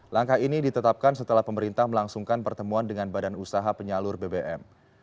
langkah ini ditetapkan setelah pemerintah melangsungkan pertemuan dengan badan usaha penyalur bbm